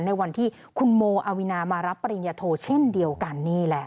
ในวันที่คุณโมอาวินามารับปริญญาโทเช่นเดียวกันนี่แหละ